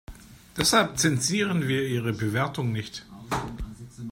Deshalb zensieren wir ihre Bewertung nicht.